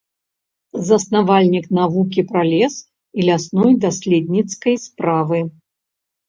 Заснавальнік навукі пра лес і лясной даследніцкай справы.